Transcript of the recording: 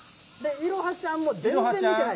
いろはちゃんも、全然見てない。